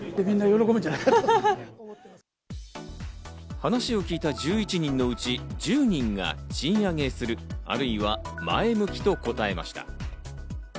話を聞いた１１人のうち１０人が賃上げする、或いは前向きと答えました。